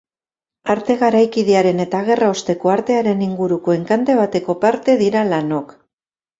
Arte garaikidearen eta gerra osteko artearen inguruko enkante bateko parte dira lanok.